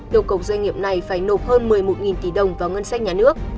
yêu cầu doanh nghiệp này phải nộp hơn một mươi một tỷ đồng vào ngân sách nhà nước